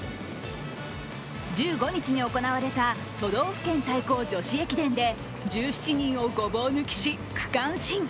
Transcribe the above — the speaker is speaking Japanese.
１５日に行われた都道府県対抗女子駅伝で１７人をごぼう抜きし区間新。